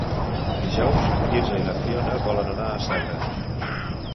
Dijous en Quirze i na Fiona volen anar a Sagra.